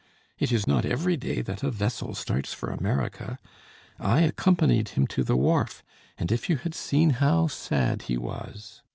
It is not every day that a vessel starts for America. I accompanied him to the wharf, and if you had seen how sad he was!